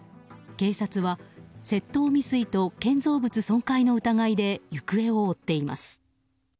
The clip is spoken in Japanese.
警察は窃盗未遂と建造物損壊の疑いで行方を追っています。